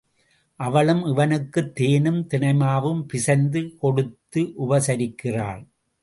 அவளும் இவனுக்கு தேனும் தினை மாவும் பிசைந்து கொடுத்து உபசரிக்கிறாள்.